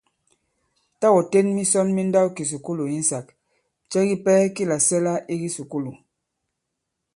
Tâ ɔ̀ ten misɔn mi nndawkìsùkulù insāk, cɛ kipɛ ki làsɛ̀la i kisùkulù ?